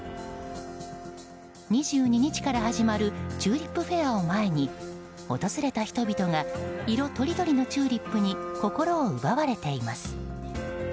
２２日から始まるチューリップフェアを前に訪れた人々が色とりどりのチューリップに心を奪われています。